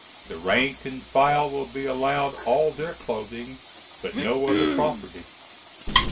The rank and file will be allowed all their clothing, but no other property.